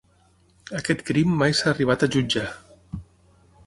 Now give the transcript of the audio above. Aquest crim mai s'ha arribat a jutjar.